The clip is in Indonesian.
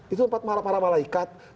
itu tempat para malaikat